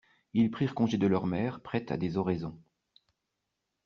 Ils prirent congé de leurs mères prêtes à des oraisons.